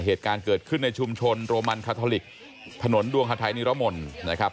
เหตุการณ์เกิดขึ้นในชุมชนโรมันคาทอลิกถนนดวงฮาไทยนิรมนต์นะครับ